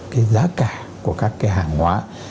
cái giá cả của các cái hàng hóa